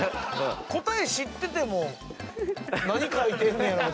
答え知ってても何描いてんねやろう？